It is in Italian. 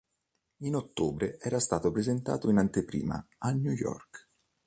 In ottobre, era stato presentato in anteprima a New York.